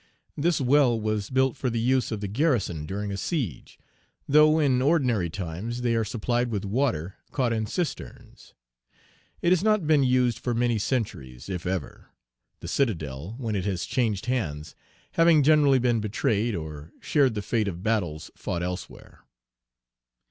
This well was built for the use of the garrison during a siege, though in ordinary times they are supplied with water caught in cisterns. It has not been used for many centuries, if ever; the citadel, when it has changed hands, having generally been betrayed, or shared the fate of battles fought elsewhere.